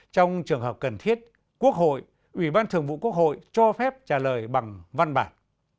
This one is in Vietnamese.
trong trường hợp cần thiết quốc hội ủy ban thường vụ quốc hội cho phép trả lời bằng văn bản